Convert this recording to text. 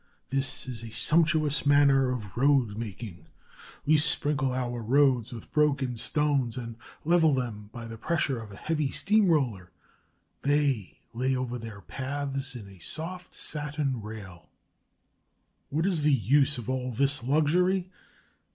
This is a sumptuous manner of road making: we sprinkle our roads with broken stones and level them by the pressure of a heavy steam roller; they lay over their paths a soft satin rail! [Illustration: "They Proceed in Single File."] What is the use of all this luxury?